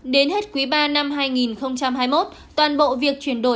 đến hết quý ba năm hai nghìn hai mươi một toàn bộ việc chuyển đổi